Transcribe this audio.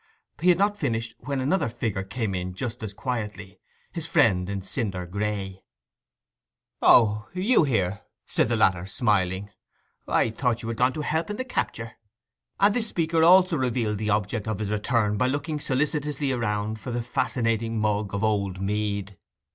He had not finished when another figure came in just as quietly—his friend in cinder gray. 'O—you here?' said the latter, smiling. 'I thought you had gone to help in the capture.' And this speaker also revealed the object of his return by looking solicitously round for the fascinating mug of old mead.